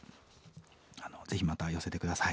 ぜひまた寄せて下さい。